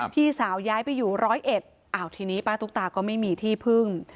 พี่สาวย้ายไปอยู่ร้อยเอ็ดอ้าวทีนี้ป้าตุ๊กตาก็ไม่มีที่พึ่ง